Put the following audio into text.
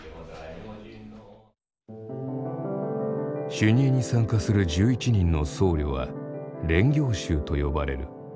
修二会に参加する１１人の僧侶は練行衆と呼ばれる。